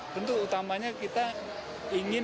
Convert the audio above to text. tentu utamanya kita ingin